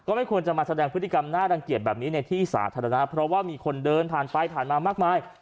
ไม่ควรจะมาแสดงพฤติกรรมน่ารังเกียจแบบนี้ในที่สาธารณะเพราะว่ามีคนเดินผ่านไปผ่านมามากมาย